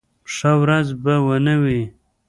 ښه ورځ به و نه وي.